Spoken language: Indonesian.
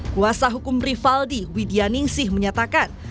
kuasa hukum rifaldi widyaningsih menyatakan